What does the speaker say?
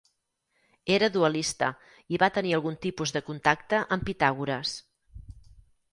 Era dualista i va tenir algun tipus de contacte amb Pitàgores.